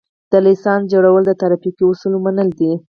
د لېسنس جوړول د ترافیکو اصول منل دي